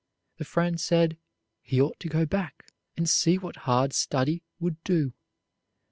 The friend said he ought to go back, and see what hard study would do.